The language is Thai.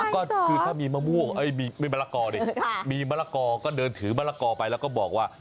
ก็คือถ้ามีมะละกอก็เดินถือมะละกอไปเราก็บอกว่า